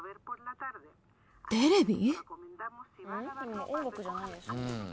テレビ？